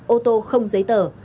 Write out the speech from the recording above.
ô tô không giấy tờ